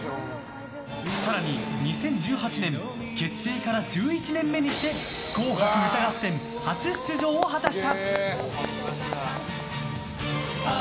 更に、２０１８年結成から１１年目にして「紅白歌合戦」初出場を果たした。